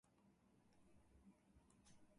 リュックサックください